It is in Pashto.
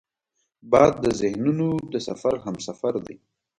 باد د ذهنونو د سفر همسفر دی